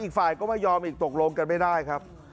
อีกฝ่ายก็ไม่ยอมอีกตกลงกันไม่ได้ครับ